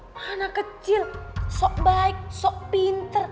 mana kecil sok baik sok pinter